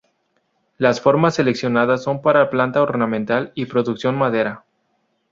Las formas seleccionadas son para planta ornamental y producción maderera.